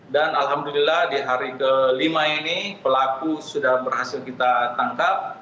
dan alhamdulillah di hari kelima ini pelaku sudah berhasil kita tangkap